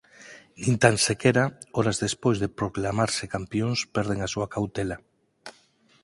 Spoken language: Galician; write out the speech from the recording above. Nin tan sequera horas despois de proclamarse campións perden a súa cautela.